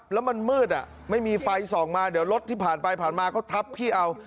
แล้วมันมืดไม่มีไฟส่องมาเดี๋ยวรถที่ผ่านไปผ่านมาเขาทับพี่เอา